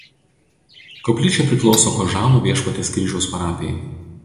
Koplyčia priklauso Kožanų Viešpaties Kryžiaus parapijai.